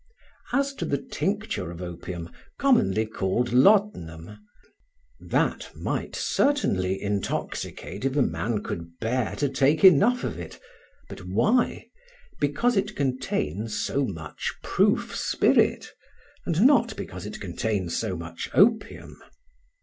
As to the tincture of opium (commonly called laudanum) that might certainly intoxicate if a man could bear to take enough of it; but why? Because it contains so much proof spirit, and not because it contains so much opium.